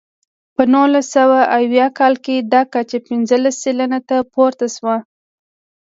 په نولس سوه اویا کال کې دا کچه پنځلس سلنې ته پورته شوه.